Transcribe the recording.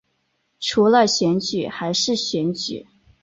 除了选举还是选举